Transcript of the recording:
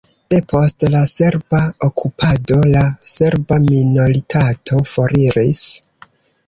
Depost la serba okupado la serba minoritato foriris.